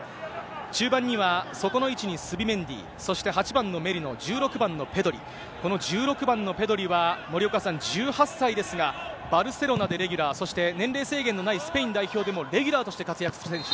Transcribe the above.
中盤には外の位置にスビメンディ、そして８番のメリーノ、１６番のペドリ、この１６番のペドリは、森岡さん、１８歳ですが、バルセロナでレギュラー、そして年齢制限のないスペイン代表でもレギュラーとして活躍している選手。